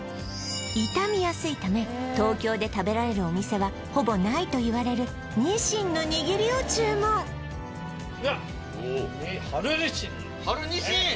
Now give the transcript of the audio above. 傷みやすいため東京で食べられるお店はほぼないといわれるにしんのにぎりを注文春にしん